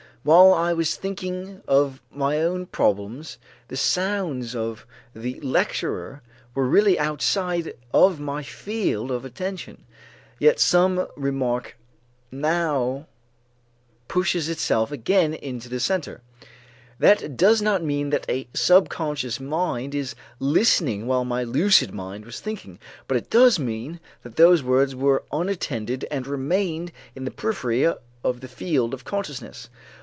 While I was thinking of my own problem the sounds of the lecturer were really outside of my field of attention, yet some remark now pushes itself again into the center. That does not mean that a subconscious mind is listening while my lucid mind was thinking, but it does mean that those words were unattended and remained in the periphery of the field of consciousness.